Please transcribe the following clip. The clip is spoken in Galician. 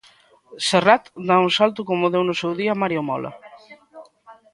Serrat dá un salto como deu no seu día Mario Mola.